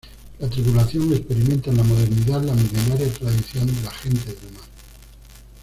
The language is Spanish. La tripulación experimenta en la modernidad la milenaria tradición de la gente de mar.